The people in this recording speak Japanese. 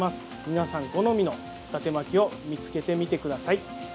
皆さん好みのだて巻きを見つけてみてください。